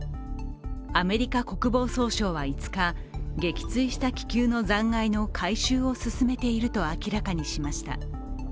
アメリカ国防総省は５日撃墜した気球の残骸の回収を進めていると明らかにしました。